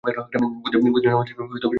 বুধিয়া-নামধারিণীর কোনো সাড়া পাওয়া গেল না।